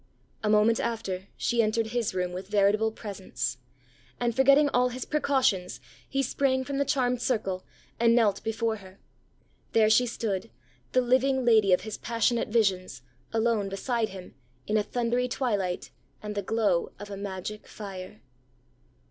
A moment after she entered his room with veritable presence; and, forgetting all his precautions, he sprang from the charmed circle, and knelt before her. There she stood, the living lady of his passionate visions, alone beside him, in a thundery twilight, and the glow of a magic fire.